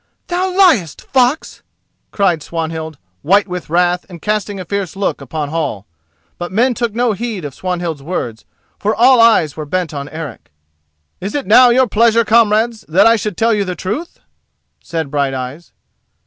"Thou liest, fox!" cried Swanhild, white with wrath and casting a fierce look upon Hall. But men took no heed of Swanhild's words, for all eyes were bent on Eric. "Is it now your pleasure, comrades, that I should tell you the truth?" said Brighteyes.